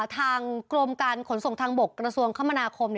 ทางกรมการขนส่งทางบกกระทรวงคมนาคม